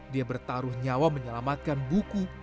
dia bertaruh nyawa menyelamatkan buku